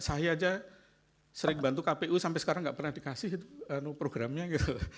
saya aja sering bantu kpu sampai sekarang nggak pernah dikasih programnya gitu